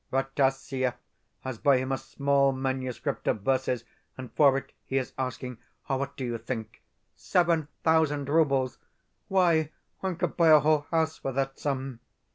Rataziaev has by him a small manuscript of verses, and for it he is asking what do you think? Seven thousand roubles! Why, one could buy a whole house for that sum!